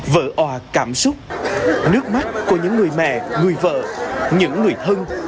vỡ à cảm xúc nước mắt của những người mẹ người vợ những người thân